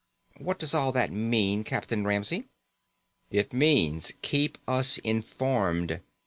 "What does all that mean, Captain Ramsey?" "It means keep us informed.